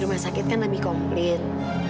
rumah sakit kan lebih komplit